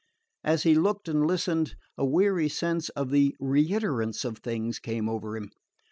As he looked and listened, a weary sense of the reiterance of things came over him.